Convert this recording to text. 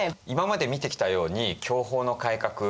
今まで見てきたように享保の改革